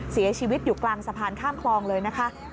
เสียชีวิตอยู่กลางสะพานข้ามคลองเลยนะคะ